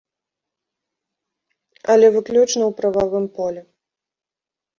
Але выключна ў прававым полі.